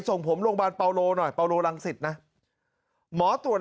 ส่งผมโรงพยาบาลเปาโลหน่อยเปาโลรังสิตนะหมอตรวจ